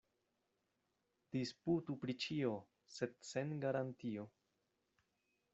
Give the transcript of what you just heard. Disputu pri ĉio, sed sen garantio.